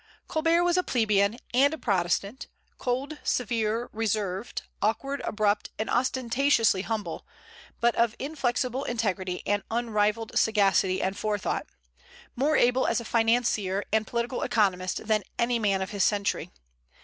Colbert was a plebeian and a Protestant, cold, severe, reserved, awkward, abrupt, and ostentatiously humble, but of inflexible integrity and unrivalled sagacity and forethought; more able as a financier and political economist than any man of his century.